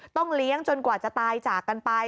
เลี้ยงจนกว่าจะตายจากกันไป